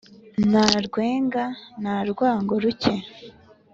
na rwenga na rwango-ruke,